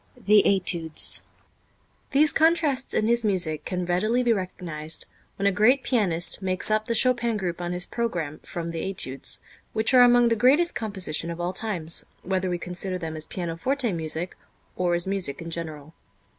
The Études. These contrasts in his music can readily be recognized when a great pianist makes up the Chopin group on his program from the Études, which are among the greatest compositions of all times, whether we consider them as pianoforte music or as music in general.